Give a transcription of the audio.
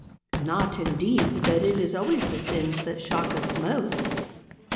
Not, indeed, that it is always the sins that shock us most.